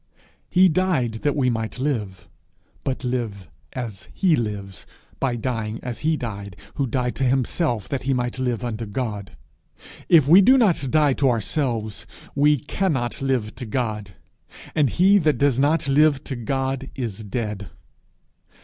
He died that we might live but live as he lives, by dying as he died who died to himself that he might live unto God. If we do not die to ourselves, we cannot live to God, and he that does not live to God, is dead.